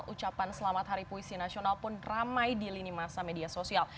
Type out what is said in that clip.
ucapan selamat hari puisi nasional pun ramai di lini masa media sosial